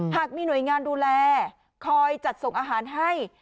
หากมีหน่วยงานดูแลคอยจัดส่งอาหารให้